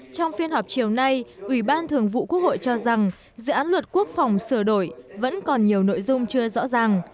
trong phiên họp chiều nay ủy ban thường vụ quốc hội cho rằng dự án luật quốc phòng sửa đổi vẫn còn nhiều nội dung chưa rõ ràng